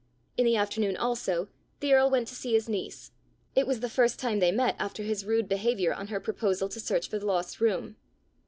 In the afternoon also, the earl went to see his niece. It was the first time they met after his rude behaviour on her proposal to search for the lost room.